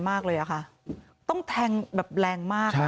ไม่รู้ตอนไหนอะไรยังไงนะ